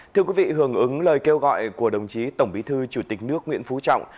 thưa quý vị hưởng ứng lời kêu gọi của đồng chí tổng bí thư chủ tịch nước nguyễn phú trọng